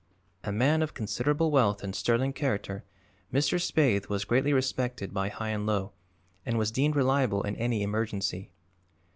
A man of considerable wealth and sterling character, Mr. Spaythe was greatly respected by high and low and was deemed reliable in any emergency.